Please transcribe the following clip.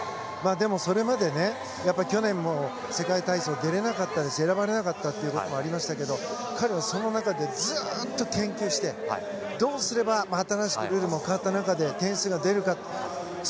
それまで去年も世界体操出れなかったし選ばれなかったこともありましたけど彼はその中でずっと研究してどうすれば新しくルールが変わった中で点数が出るか。